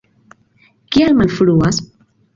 Kial malfruas?